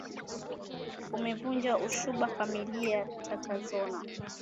Umevunja usuhuba, familia zazozana,